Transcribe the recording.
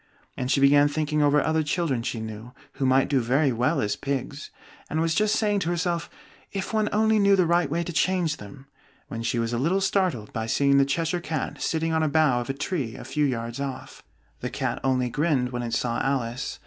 And she began thinking over other children she knew, who might do very well as pigs, and was just saying to herself, "If one only knew the right way to change them " when she was a little startled by seeing the Cheshire Cat sitting on a bough of a tree a few yards off. The Cat only grinned when it saw Alice.